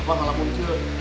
apa ngalamun ke